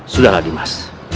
sudah lagi mas